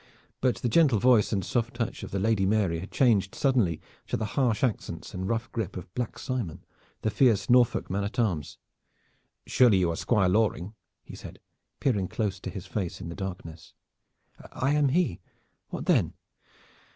But the gentle voice and soft touch of the Lady Mary had changed suddenly to the harsh accents and rough grip of Black Simon, the fierce Norfolk man at arms. "Surely you are the Squire Loring," he said, peering close to his face in the darkness. "I am he. What then?"